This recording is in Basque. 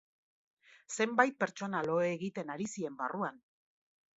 Zenbait pertsona lo egiten ari ziren barruan.